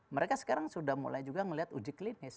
mereka sekarang sudah mulai juga melihat uji klinis